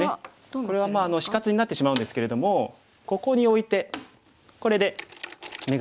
これは死活になってしまうんですけれどもここにオイてこれで眼がないんですよね。